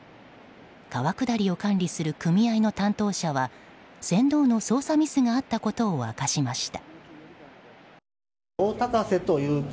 川下りを管理する組合の担当者は船頭の操作ミスがあったことを明かしました。